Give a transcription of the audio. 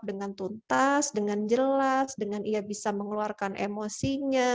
dengan tuntas dengan jelas dengan ia bisa mengeluarkan emosinya